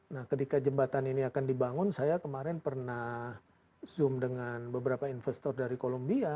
nah ketika jembatan ini akan dibangun saya kemarin pernah zoom dengan beberapa investor dari columbia